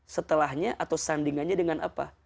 setelahnya atau sandingannya dengan apa